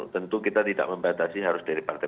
tentu kita tidak membatasi harus dari partai